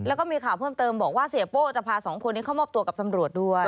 แล้วก็มีข่าวเพิ่มเติมบอกว่าเสียโป้จะพาสองคนนี้เข้ามอบตัวกับตำรวจด้วย